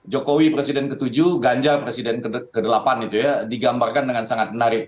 jokowi presiden ke tujuh ganjar presiden ke delapan itu ya digambarkan dengan sangat menarik